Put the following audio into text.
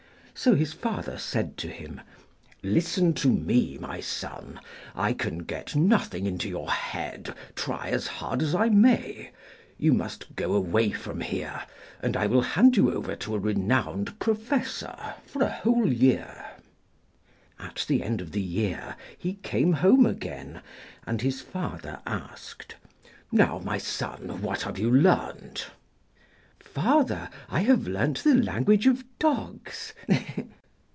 So his father said to him: 'Listen to me, my son. I can get nothing into your head, try as hard as I may. You must go away from here, and I will hand you over to a renowned Professor for a whole year.' At the end of the year he came home again, and his father asked: 'Now, my son, what have you learnt?' 'Father, I have learnt the language of dogs.'